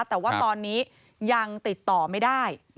แต่ว่าตอนนี้ยังติดต่อไม่ได้